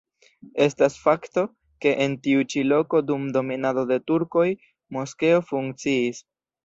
Estas fakto, ke en tiu ĉi loko dum dominado de turkoj moskeo funkciis.